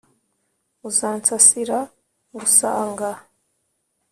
uzansasira ngusanga ;